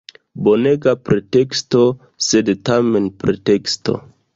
Bonega preteksto — sed tamen preteksto.